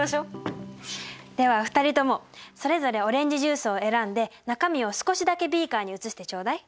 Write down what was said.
では２人ともそれぞれオレンジジュースを選んで中身を少しだけビーカーに移してちょうだい。